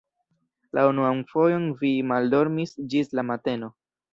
La unuan fojon vi maldormis ĝis la mateno.